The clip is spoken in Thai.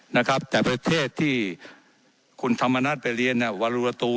นะครับแต่ประเทศที่คุณธรรมนัฐไปเรียนเนี่ยวันรูละตู